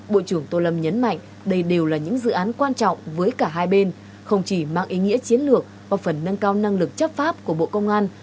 bộ trưởng tô lâm nhấn mạnh đây đều là những dự án quan trọng với cả hai bên không chỉ mang ý nghĩa chiến lược và phần nâng cao năng lực chấp pháp của bộ công an